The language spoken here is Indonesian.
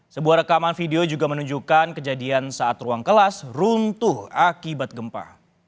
sebuah rekaman video juga menunjukkan kejadian saat ruang kelas runtuh akibat gempa